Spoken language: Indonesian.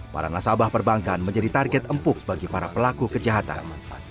para nasabah perbankan menjadi target empuk bagi para pelaku kejahatan